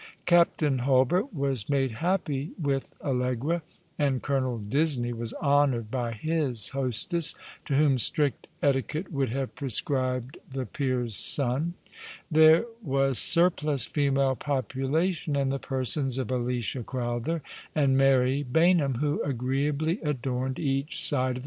Captain Hulbert was made happy with Allegra, and Colonel Disney was honoured by his hostess, to whom strict etiquette would have prescribed the peer's son. There was surplus female population in the persons of Alicia Crowther and Mary Baynham, who agreeably adorned each side of ^^ Say the False Charge was Trtte!'